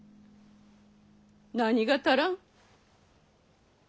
何が足らん？